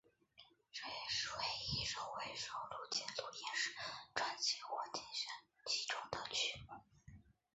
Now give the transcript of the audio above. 这也是唯一一首未收录进录音室专辑或精选集中的曲目。